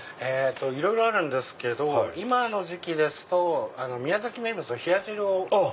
いろいろあるんですけど今の時期ですと宮崎名物の冷汁を。